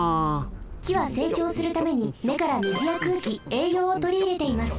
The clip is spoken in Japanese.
きはせいちょうするためにねからみずやくうきえいようをとりいれています。